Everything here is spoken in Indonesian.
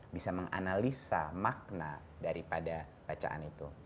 bisa menganalisa makna daripada bacaan itu